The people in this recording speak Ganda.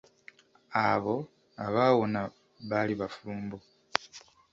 Abo abaawona bali bafumbo.